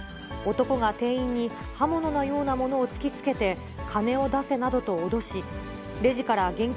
男が店員に刃物のようなものを突きつけて、金を出せなどと脅し、レジから現金